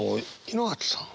井之脇さん